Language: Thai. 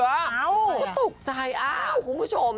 เขาก็ตกใจอ้าวคุณผู้ชม